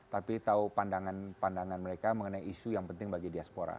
tapi tahu pandangan pandangan mereka mengenai isu yang penting bagi diaspora